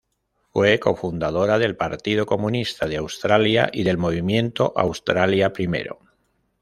Fue cofundadora del Partido Comunista de Australia y del Movimiento Australia Primero.